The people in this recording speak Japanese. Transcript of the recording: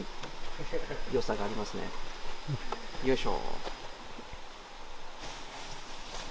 よいしょ。